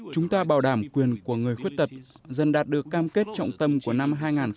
chúng ta bảo đảm quyền của người khuyết tật dần đạt được cam kết trọng tâm của năm hai nghìn hai mươi